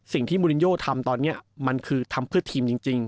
สิ่งที่ทำตอนเนี้ยมันคือทำเพื่อทีมจริงจริง